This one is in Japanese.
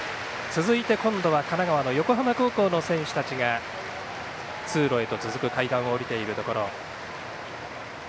続いて、今度は神奈川の横浜の選手たちが通路へと続く階段を下りているところ。